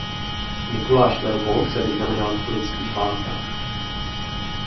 Mikuláš Leopold se vyznamenal v tureckých válkách.